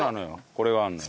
これがあるのよ。